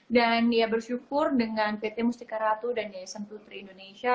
dan ya bersyukur dengan pt mustiqa datoooo dan yayasan putri indonesia